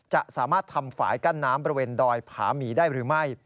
จะสามารถทำฝ่ายกั้นน้ำบริเวณดอยผาหมีได้หรือไม่